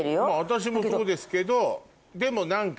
私もそうですけどでも何かね。